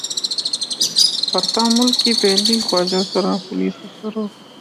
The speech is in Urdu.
پرتھا ملک کی پہلی خواجہ سرا پولیس افسر ہو گی